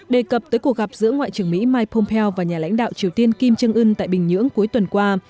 đề cập tới cuộc gặp giữa ngoại trưởng mỹ mike pompeo và nhà lãnh đạo triều tiên kim trương ưn tại bình nhưỡng cuối tuần qua